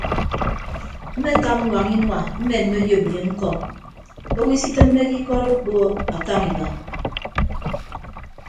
Mmekap ñwañña inua mmenne oyop ye ñkọm owo isitịmmeke ikọt okpo akañ iba.